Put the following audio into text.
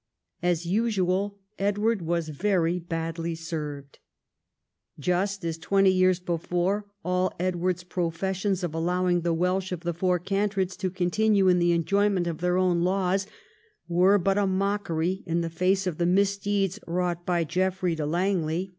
As usual Edward was very badly served. Just as twenty years before, all Edward's professions of allowing the Welsh of the Four Cantreds to continue in the enjoyment of their old laws were but a mockery in the face of the misdeeds wrought by a Geoffrey de Langley 202 EDWARD I chap.